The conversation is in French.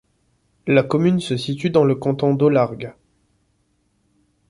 La commune se situe dans le canton d'Olargues.